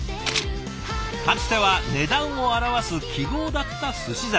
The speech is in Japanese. かつては値段を表す記号だった寿司皿。